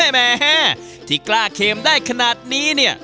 แม่ที่กล้าเค็มได้ขนาดนี้เนี่ย